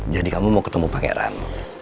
jadi kamu mau ketemu pangeran